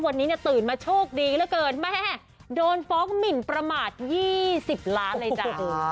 วันนี้ตื่นมาโชคดีเหลือเกินแม่โดนฟ้องหมินประมาท๒๐ล้านเลยจ้ะ